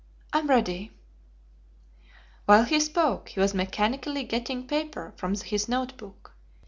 I'm ready." While he spoke he was mechanically getting paper from his note book.